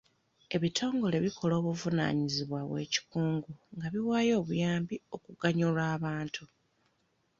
Ebitongole bikola obuvunaanyizibwa bw'ekikungu nga biwaayo obuyambi okuganyula abantu.